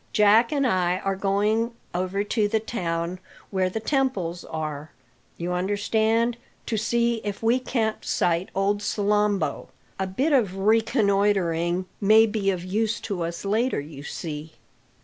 Jack and I are going over to the town where the temples are, you understand to see if we can't sight old Salambo. A bit of reconnoitring may be of use to us later, you see."